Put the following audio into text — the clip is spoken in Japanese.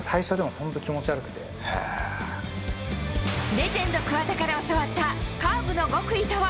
レジェンド桑田から教わったカーブの極意とは？